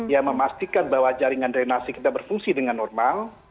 ya memastikan bahwa jaringan drenasi kita berfungsi dengan normal